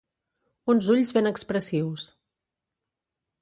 Uns ulls ben expressius.